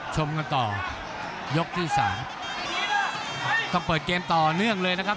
ชมกันต่อยกที่สามต้องเปิดเกมต่อเนื่องเลยนะครับ